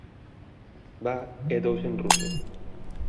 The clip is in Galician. Dva e "dous" en ruso.